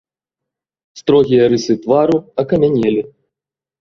Строгія рысы твару акамянелі.